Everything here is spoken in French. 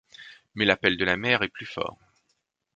Mais l'appel de la mer est plus fort.